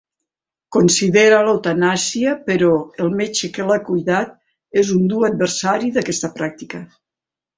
Considera l'eutanàsia però el metge que l'ha cuidat és un dur adversari d'aquesta pràctica.